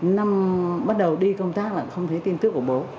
năm bắt đầu đi công tác là không thấy tin tức của bố